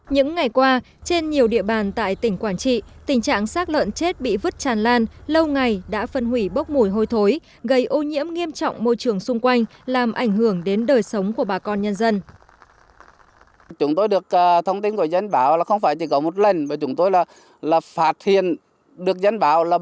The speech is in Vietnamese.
những ngày qua trên nhiều địa bàn tại tỉnh quảng trị tình trạng sắc lợn chết bị vứt tràn lan lâu ngày đã phân hủy bốc mùi hôi thối gây ô nhiễm nghiêm trọng môi trường xung quanh làm ảnh hưởng đến đời sống của bà con nhân dân